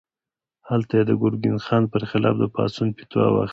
هلته یې د ګرګین خان پر خلاف د پاڅون فتوا واخیسته.